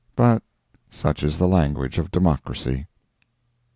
But such is the language of Democracy.